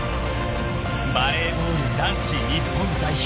［バレーボール男子日本代表。